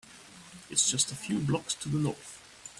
It’s just a few blocks to the North.